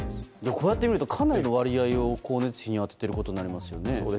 こうやってみるとかなりの割合を光熱費に充てていることになりますよね。